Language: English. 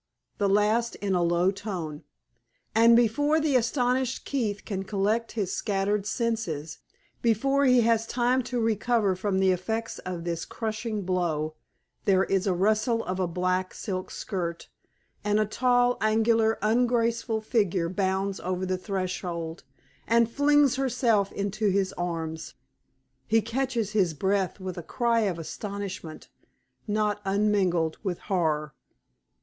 The last in a low tone. And before the astonished Keith can collect his scattered senses before he has time to recover from the effects of this crushing blow there is the rustle of a black silk skirt, and a tall, angular, ungraceful figure bounds over the threshold and flings herself into his arms. He catches his breath with a cry of astonishment not unmingled with horror.